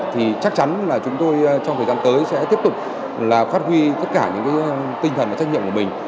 thì chắc chắn là chúng tôi trong thời gian tới sẽ tiếp tục là phát huy tất cả những tinh thần và trách nhiệm của mình